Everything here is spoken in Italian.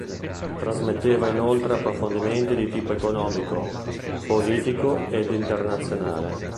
Trasmetteva inoltre approfondimenti di tipo economico, politico ed internazionale.